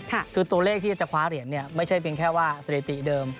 คือตัวเลขที่จะคว้าเหรียญเนี่ยไม่ใช่เพียงแค่ว่าสถิติเดิม